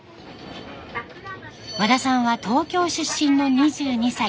和田さんは東京出身の２２歳。